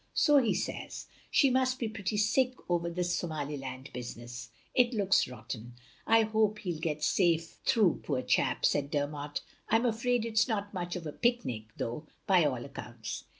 "So he says. She must be pretty sick over this Somaliland business. It looks rotten. I hope he'll get safe through, poor chap," said Dermot. " I 'm afraid it 's not much of a picnic, though, by all accounts.